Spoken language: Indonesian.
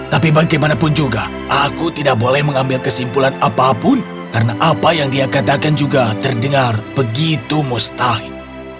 tapi bagaimanapun juga aku tidak boleh mengambil kesimpulan apapun karena apa yang dia katakan juga terdengar begitu mustahil